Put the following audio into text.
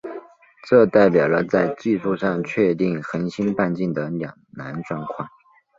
这代表了在技术上确定恒星半径的两难状况。